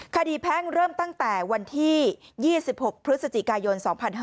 แพ่งเริ่มตั้งแต่วันที่๒๖พฤศจิกายน๒๕๕๙